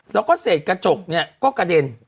แล้วก็เศษกระจกเนี่ยก็กระเด็น